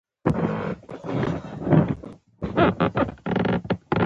اکبر جان چې ولیدل مور او پلار یې دواړه سره په غوسه شول.